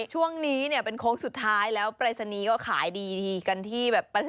ช่วงนี้เนี่ยเป็นโค้งสุดท้ายแล้วปรายศนีย์ก็ขายดีที่กันที่